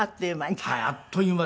あっという間に？